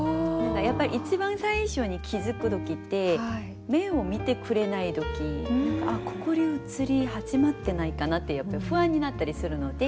やっぱり一番最初に気付く時って目を見てくれない時心移り始まってないかなって不安になったりするので。